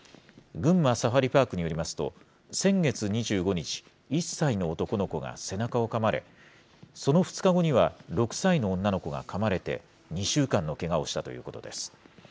群馬サファリパークによりますと、先月２５日、１歳の男の子が背中をかまれ、その２日後には６歳の女の子がかまれて、２週間のけがをしたということです。